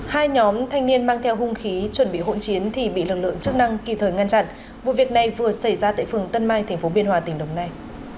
hai nhóm thanh niên mang theo hung khí chuẩn bị hỗn chiến thì bị lực lượng chức năng kịp thời ngăn chặn vụ việc này vừa xảy ra tại phường tân mai tp biên hòa tỉnh đồng nai